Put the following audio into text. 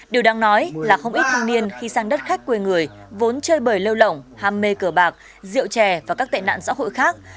điều đáng nói là không ít thanh niên khi sang đất khách quê người vốn chơi bởi lêu lỏng ham mê cờ bạc rượu chè và các tệ nạn xã hội khác